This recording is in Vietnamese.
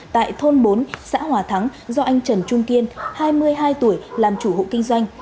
tại thôn bốn xã hòa thắng do anh trần trung kiên hai mươi hai tuổi làm chủ hộ kinh doanh